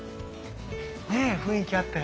ねえ雰囲気あって。